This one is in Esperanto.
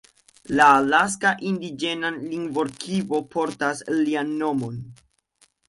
La Alaska Indiĝena Lingvorkivo portas lian nomon.